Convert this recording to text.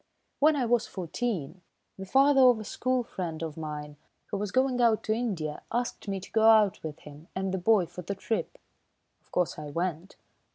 When I was fourteen, the father of a school friend of mine, who was going out to India, asked me to go out with him and the boy for the trip. Of course, I went."